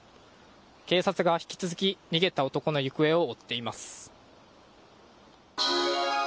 警察が引き続き逃げた男の行方を追っています。